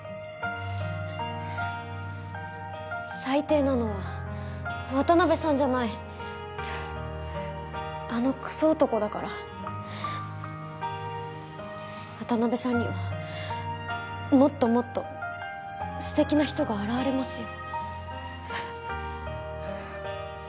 最低なのは渡辺さんじゃないあのクソ男だから渡辺さんにはもっともっと素敵な人が現れますよ